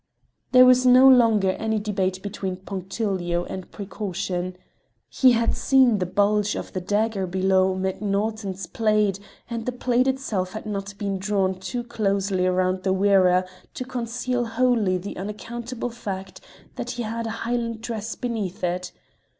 There was no longer any debate between punctilio and precaution. He had seen the bulge of the dagger below Macnaughton's plaid, and the plaid itself had not been drawn too closely round the wearer to conceal wholly the unaccountable fact that he had a Highland dress beneath it.